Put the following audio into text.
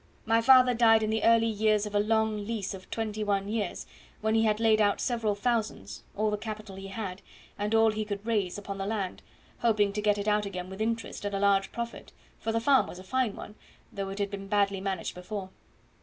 My father died in the early years of a long lease of twenty one years, when he had laid out several thousands, all the capital he had, and all he could raise, upon the land, hoping to get it out again with interest and a large profit, for the farm was a fine one, though it had been badly managed before.